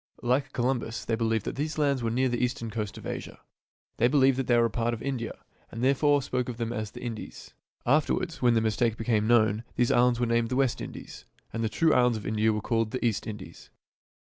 Like Columbus they believed that these lands were near the eastern coast of Asia. They believed that they were a part of India, and therefore spoke of them as the Indies. Afterwards, when their mistake became known, these islands were named the West Indies and the true islands of India were called the East Indies.